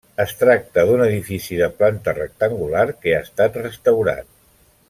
Es tracta d'un edifici de planta rectangular que ha estat restaurat.